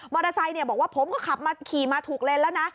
ไซค์บอกว่าผมก็ขับมาขี่มาถูกเลนแล้วนะ